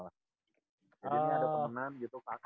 jadi ini ada temenan gitu pak